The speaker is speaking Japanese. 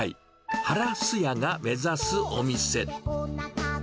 ハラス屋が目指すお店。